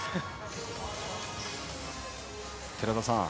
寺田さん